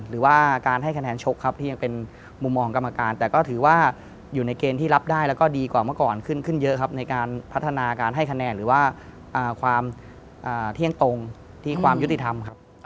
หรือว่าการให้คะแนนชกครับที่ยังเป็นมุมมองกรรมการแต่ก็ถือว่าอยู่ในเกณฑ์ที่รับได้แล้วก็ดีกว่าเมื่อก่อนขึ้นขึ้นเยอะครับในการพัฒนาการให้คะแนนหรือว่าความเที่ยงตรงที่ความยุติธรรมครับ